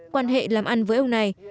quan hệ làm ăn với ông này